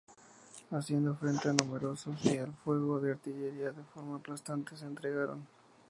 Haciendo frente a números y al fuego de artillería de forma aplastante, se entregaron.